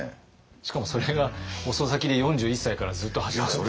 しかもそれが遅咲きで４１歳からずっと続いてる。